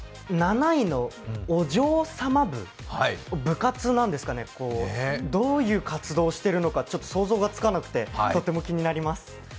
７位のお嬢様部、部活なんですかね、どういう活動をしているのかちょっと想像がつかなくて、とても気になります。